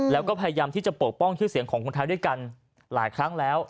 แล้วก็พยายามที่จะปกป้องชื่อเสียงของคนไทยด้วยกันหลายครั้งแล้ว